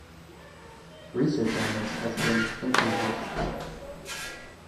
Research on this has been inconclusive.